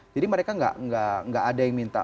jadi mereka enggak ada yang minta